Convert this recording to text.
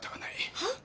はっ？